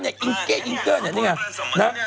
คุณหมอโดนกระช่าคุณหมอโดนกระช่า